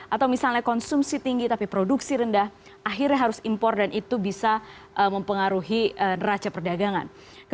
atau misalnya konsumsi tinggi tapi produksi rendah akhirnya harus impor dan itu bisa mempengaruhi raca perdagangan